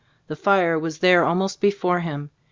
The fire was there almost be fore him.